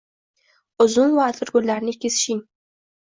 - Uzum va atirgullarni kesishing